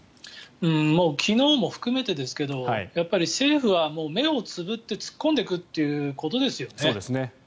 昨日も含めてですけど政府は目をつぶって突っ込んでいくということですよね。